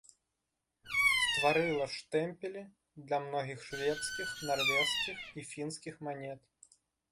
Стварыла штэмпелі для многіх шведскіх, нарвежскіх і фінскіх манет.